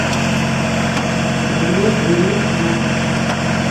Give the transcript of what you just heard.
Мәҙинә, эйе, бар.